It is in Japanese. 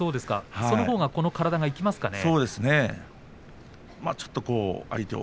そのほうがこの体が生きますかね。